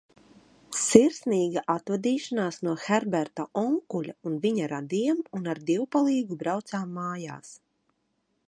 Sirsnīga atvadīšanās no Herberta onkuļa un viņa radiem un ar Dievpalīgu braucām mājās.